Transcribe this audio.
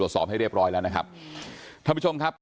สอบให้เรียบร้อยแล้วนะครับท่านผู้ชมครับ